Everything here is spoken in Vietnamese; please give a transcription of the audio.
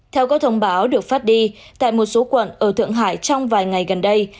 theo các thông báo được phát đi tại một số quận ở thượng hải trong vài ngày gần đây